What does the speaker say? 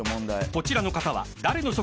［こちらの方は］